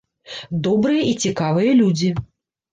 Добрыя і цікавыя людзі.